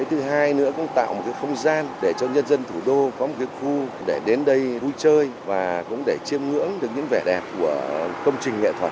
thứ hai nữa cũng tạo một không gian để cho nhân dân thủ đô có một khu để đến đây vui chơi và cũng để chiêm ngưỡng được những vẻ đẹp của công trình nghệ thuật